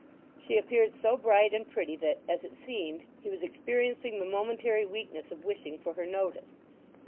She appeared so bright and pretty that, as it seemed, he was experiencing the momentary weakness of wishing for her notice.